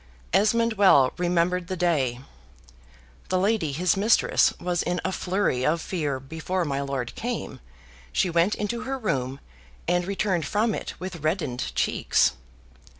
Esmond well remembered the day. The lady his mistress was in a flurry of fear: before my lord came, she went into her room, and returned from it with reddened cheeks.